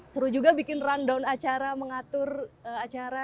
seru juga bikin rundown acara mengatur acara